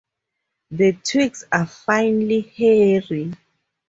The twigs are finely hairy.